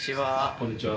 こんにちは。